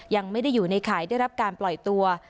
ยังไม่ได้อยู่ในข่ายได้รับการปล่อยตัว